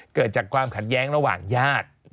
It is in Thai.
เกิดจากความขัดแย้งระหว่างญาติ